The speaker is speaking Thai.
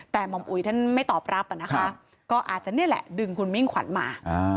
แต่หม่อมอุ๋ยท่านไม่ตอบรับนะคะก็อาจจะนี่แหละดึงคุณมิ่งขวัญมา